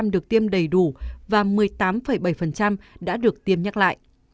năm mươi chín được tiêm đầy đủ và một mươi tám bảy đã được tiêm nhắc lại